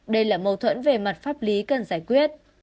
đây là mâu thuẫn về mặt pháp lý cần giải quyết